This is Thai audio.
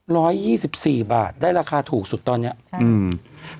ยี่สิบสี่บาทได้ราคาถูกสุดตอนเนี้ยอืม